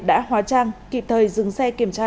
đã hóa trang kịp thời dừng xe kiểm tra